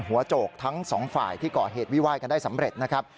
โจกทั้งสองฝ่ายที่ก่อเหตุวิวาดกันได้สำเร็จนะครับ